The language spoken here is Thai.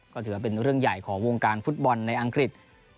ก็ถือว่าเป็นเรื่องใหญ่ของวงการฟุตบอลในอังกฤษ